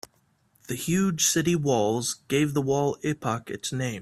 The huge city walls gave the wall epoch its name.